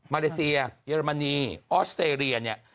เลเซียเยอรมนีออสเตรเลียเนี่ย